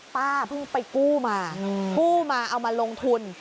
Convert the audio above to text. ป้าเพิ่งไปกู้มากู้มาเอามาลงทุน